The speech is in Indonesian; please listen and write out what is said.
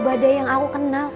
badai yang aku kenal